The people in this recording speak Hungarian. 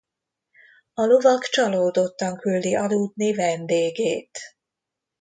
A lovag csalódottan küldi aludni vendégét.